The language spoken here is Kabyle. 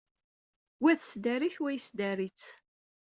Wa tesdari-t, wa yesdari-tt.